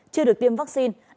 chưa được tiêm vaccine